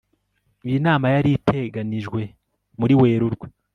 iyi nama yari iteganijwe muri werurwe